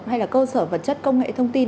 hay là cơ sở vật chất công nghệ thông tin